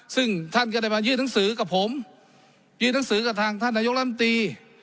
ซึ่งท่านก็ได้มายื่นหนังสือกับผมยื่นหนังสือกับทางท่านนายกรรมตี